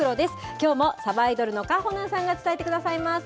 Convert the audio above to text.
きょうもさばいどるのかほなんさんが伝えてくださいます。